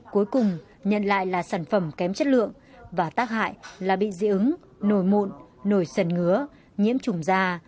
cuối cùng nhận lại là sản phẩm kém chất lượng và tác hại là bị dị ứng nổi mụn nổi sần ngứa nhiễm trùng da